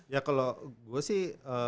ya kalau gue sih